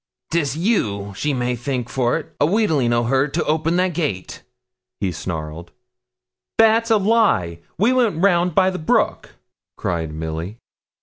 ''Tis you she may thank for't, a wheedling o' her to open that gate,' he snarled. 'That's a lie; we went round by the brook,' cried Milly.